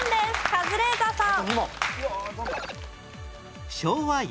カズレーザーさん。